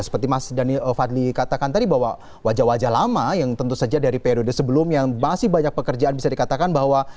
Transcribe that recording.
seperti mas dhani fadli katakan tadi bahwa wajah wajah lama yang tentu saja dari periode sebelum yang masih banyak pekerjaan bisa dikatakan bahwa